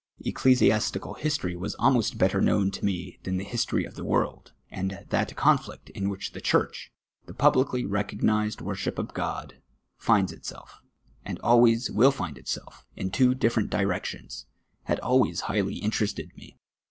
Ecclesiastical history was almost better kno^^'n to me than the history of the world, and that conflict in which the chm ch — the ])ublicly recognised worship of God — finds itself, and always M'ill find itself, in two different directions, had always highly interested me.